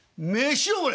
「飯を盛れ？